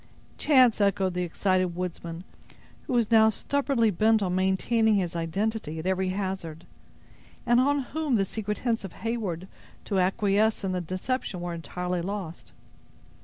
"Chance!" echoed the excited woodsman, who was now stubbornly bent on maintaining his identity at every hazard, and on whom the secret hints of Heyward to acquiesce in the deception were entirely lost.